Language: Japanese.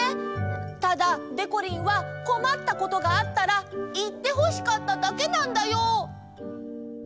ただでこりんはこまったことがあったらいってほしかっただけなんだよ。